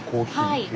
はい。